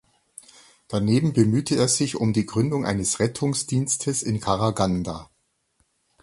Daneben bemühte er sich um die Gründung eines Rettungsdienstes in Karaganda.